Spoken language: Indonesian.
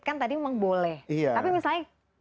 kan tadi memang boleh tapi misalnya